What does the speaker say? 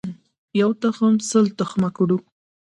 یو تخم سل تخمه کړو.